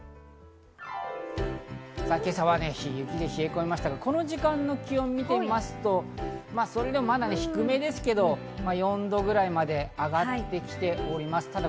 今朝は雪で冷え込みましたが、この時間の気温を見てみますとそれでもまだ低めですけど、４度ぐらいまで上がってきております。